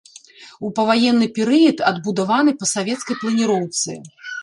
У паваенны перыяд адбудаваны па савецкай планіроўцы.